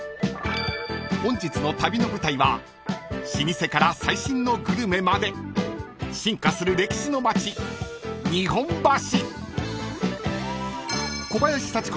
［本日の旅の舞台は老舗から最新のグルメまで進化する歴史の街日本橋］